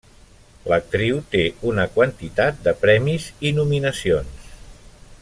L'actriu té una quantitat de premis i nominacions.